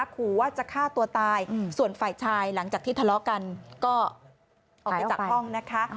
ขู่ว่าจะฆ่าตัวตายส่วนฝ่ายชายหลังจากที่ทะเลาะกันก็ออกไปจากห้องนะคะ